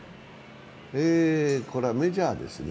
これはメジャーですね。